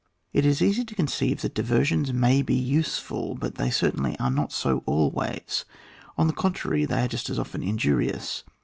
It is easy to conceive that diversions may be useful, but they certainly are not BO always ; on the contrary, they are just as often injurious.